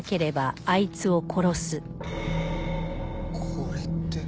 これって。